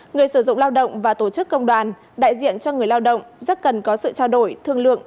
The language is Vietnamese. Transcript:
người sử dụng lao động và tổ chức công đoàn đại diện cho người lao động rất cần có sự trao đổi thương lượng